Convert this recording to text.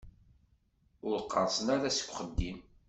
Ur qqerṣen ara seg uxeddim.